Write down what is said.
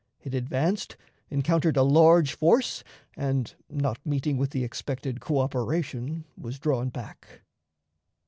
It advanced, encountered a large force, and, not meeting with the expected coöperation, was drawn back.